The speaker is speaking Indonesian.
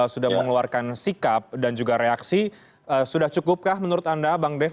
sudah mengeluarkan sikap dan juga reaksi sudah cukupkah menurut anda bang dev